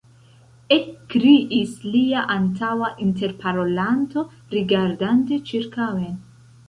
ekkriis lia antaŭa interparolanto, rigardante ĉirkaŭen.